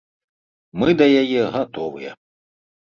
Мы да яе гатовыя.